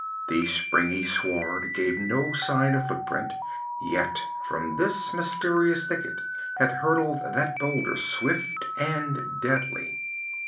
The springy sward gave no sign of footprint. Yet from this mysterious thicket had hurtled that boulder, swift and deadly.